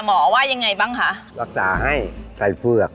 หมอว่ายังไงบ้างคะรักษาให้ชัดเปลือก